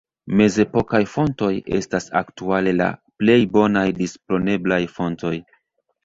Mezepokaj fontoj estas aktuale la plej bonaj disponeblaj fontoj.